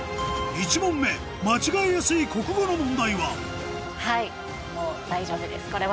１問目間違えやすい国語の問題ははいもう。